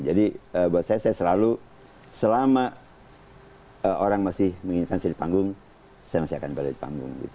jadi buat saya saya selalu selama orang masih menginginkan saya di panggung saya masih akan berada di panggung